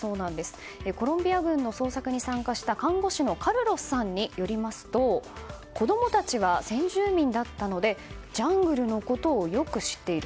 コロンビア軍の捜索に参加した看護師のカルロスさんによりますと子供たちは先住民だったのでジャングルのことをよく知っている。